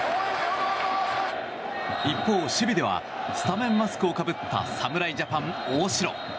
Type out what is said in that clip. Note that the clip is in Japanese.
一方、守備ではスタメンマスクをかぶった侍ジャパン、大城。